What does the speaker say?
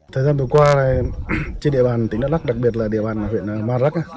thời gian vừa qua trên địa bàn tỉnh đắk lắc đặc biệt là địa bàn huyện marak